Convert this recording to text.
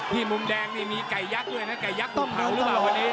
ที่มุมแดงมีไก่ยักษ์ด้วยนะไก่ยักษ์อุ่งเผ่าหรือเปล่า